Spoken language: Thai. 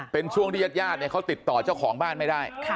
เป็นช่วงที่ญาติญาติเขาติดต่อเจ้าของบ้านไม่ได้